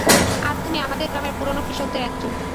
আর তুমি আমাদের গ্রামের পুরোনো কৃষকদের একজন।